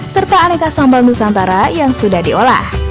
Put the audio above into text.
serta aneka sambal nusantara yang sudah diolah